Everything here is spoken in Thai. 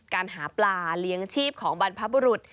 การหาปลาเลี้ยงชีพของบรรพบุรุษ